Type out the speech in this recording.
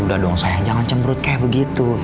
udah dong saya jangan cembrut kayak begitu